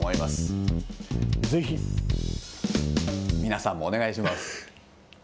皆さんもお願いします。